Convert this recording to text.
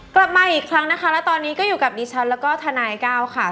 กลับมาอีกครั้งนะคะแล้วตอนนี้ก็อยู่กับดิฉันแล้วก็ทนายก้าวค่ะ